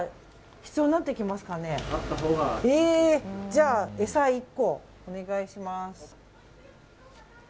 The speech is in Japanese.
じゃあ、餌１個お願いします。